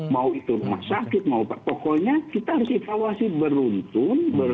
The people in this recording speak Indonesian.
mau itu rumah sakit mau pokoknya kita harus evaluasi beruntun